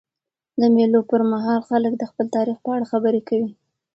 د مېلو پر مهال خلک د خپل تاریخ په اړه خبري کوي.